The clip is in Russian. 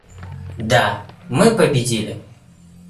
Да, мы победили.